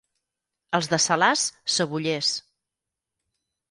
Els de Salàs, cebollers.